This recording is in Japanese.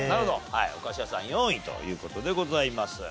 はいお菓子屋さん４位という事でございます。